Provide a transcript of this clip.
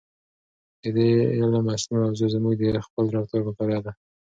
د دې علم اصلي موضوع زموږ د خپل رفتار مطالعه ده.